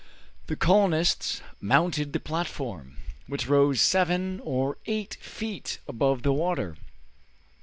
The colonists mounted the platform, which rose seven or eight feet above the water.